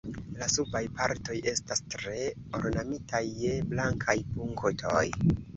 La subaj partoj estas tre ornamitaj je blankaj punktoj.